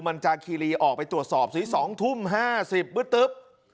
มันจากคีรีออกไปตรวจสอบสุดที่๒ทุ่ม๕๐นปุ๊ะตึ๊บ